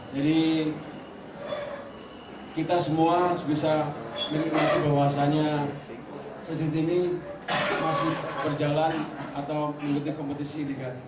jadi kita semua bisa mengikuti bahwasannya persit ini masih berjalan atau mengikuti kompetisi tiga tiga